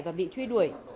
và bị truy đuổi